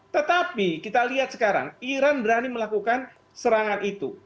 tetapi kita lihat sekarang iran berani melakukan serangan itu